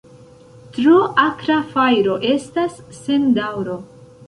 Tro akra fajro estas sen daŭro.